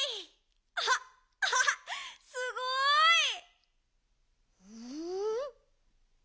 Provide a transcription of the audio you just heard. アハアハハすごい！ん？